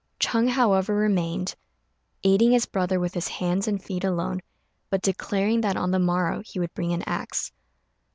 Ch'êng, however, remained, aiding his brother with his hands and feet alone, but declaring that on the morrow he would bring an axe.